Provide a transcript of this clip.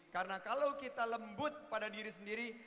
karena kalau kita lembut pada diri sendiri